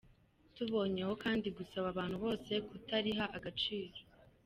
Tuboneyeho kandi gusaba abantu bose kutariha agaciro.